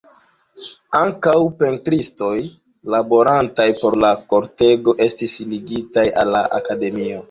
Ankaŭ pentristoj laborantaj por la kortego estis ligitaj al la akademio.